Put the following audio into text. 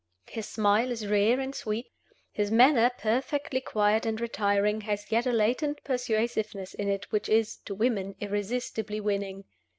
His smile is rare and sweet; his manner, perfectly quiet and retiring, has yet a latent persuasiveness in it which is (to women) irresistibly winning.